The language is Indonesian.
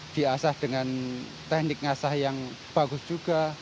diasah dengan teknik ngasah yang bagus juga